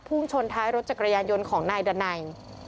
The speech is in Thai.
ชนท้ายรถจักรยานยนต์ของนายดันัย